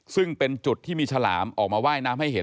ซึ่งเป็นจุดที่มีฉลามออกมาว่ายน้ำให้เห็น